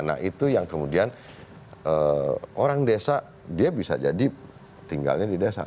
nah itu yang kemudian orang desa dia bisa jadi tinggalnya di desa